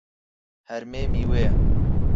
هەرمێ میوەیە.